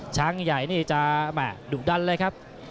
ช้างใหญ่นี่จะแห่ดุดันเลยครับ